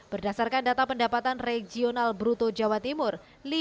berdasarkan data pendapatan regional bruto jawa timur